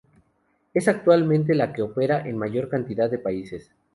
Es actualmente la que opera en la mayor cantidad de países.